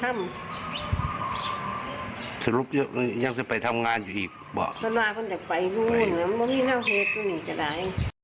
ไม่รู้แน่ว่าเทศก็นี่จะได้